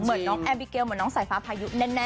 น้องแอมบิเกลเหมือนน้องสายฟ้าพายุแน่